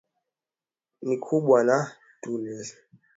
ni kubwa na tueshimike na tueshimiwe ndani